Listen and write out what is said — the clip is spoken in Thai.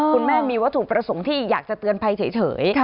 คุณแม่มีวัตถุประสงค์ที่อยากจะเตือนภัยเฉย